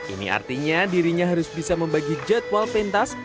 ini artinya dirinya harus bisa membagi jadwal pentas